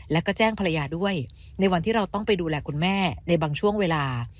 แล้วก็แจ้งภรรยาด้วยในวันที่เราต้องไปดูแลคุณแม่ในบางช่วงเวลา